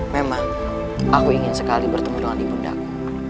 memang aku ingin sekali bertemu dengan ibu undaku